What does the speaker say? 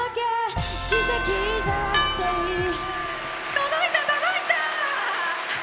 届いた届いた！